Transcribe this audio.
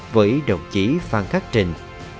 với đồng chí phan khắc trình